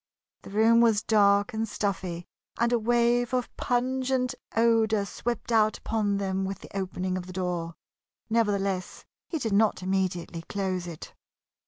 The room was dark and stuffy, and a wave of pungent odor swept out upon them with the opening of the door. Nevertheless, he did not immediately close it.